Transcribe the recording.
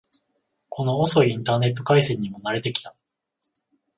この遅いインターネット回線にも慣れてきた